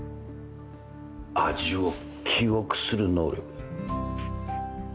味を記憶する能力。